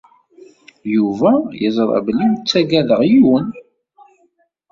Yuba yeẓra belli ur ttaggadeɣ yiwen.